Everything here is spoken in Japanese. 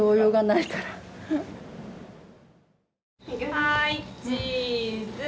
はいチーズ。